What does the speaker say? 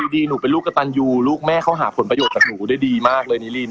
ดีหนูเป็นลูกกระตันยูลูกแม่เขาหาผลประโยชน์จากหนูได้ดีมากเลยนิริน